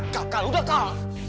kal kal udah kal